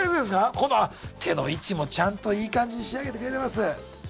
このあっ手の位置もちゃんといい感じに仕上げてくれてます。